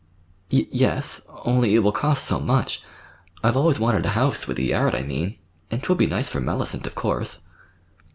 "Y yes, only it will cost so much. I've always wanted a house—with a yard, I mean; and 'twould be nice for Mellicent, of course."